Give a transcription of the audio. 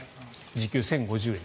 時給１０５０円。